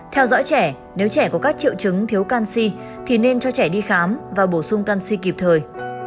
theo dõi trẻ nếu trẻ có các triệu chứng thiếu canxi thì nên cho trẻ đi khám và bổ sung canxi kịp thời